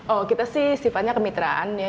oh kita sih sifatnya kemitraan ya